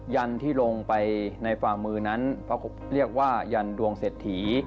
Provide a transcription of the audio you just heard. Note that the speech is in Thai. ยันต์ที่ลงไปในฝามือนั้นเรียกว่ายันต์ดวงเศรษฐี